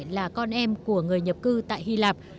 là con em của người nhập cư tại hy lạp